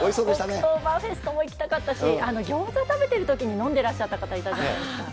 オクトーバーフェストも行きたかったし、ギョーザ食べてるときに飲んでらっしゃった方いたじゃないですか。